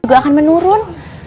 juga akan menurun